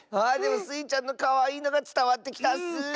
あでもスイちゃんのかわいいのがつたわってきたッス！